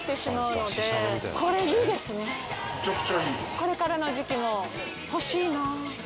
これからの時期もほしいなぁ。